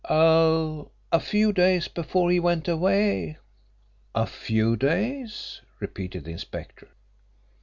"Oh, a few days before he went away." "A few days," repeated the inspector.